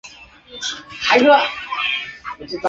浙江鄞县人。